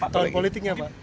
tahun politiknya pak